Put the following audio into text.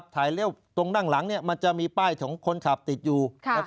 เลี่ยวตรงนั่งหลังมันจะมีป้ายของคนขับติดอยู่